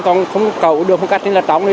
còn không cầu đường phương cách thì là trống đi